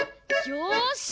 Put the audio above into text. よし！